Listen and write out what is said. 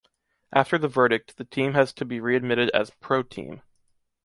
After the verdict, the team has to be readmitted as ProTeam.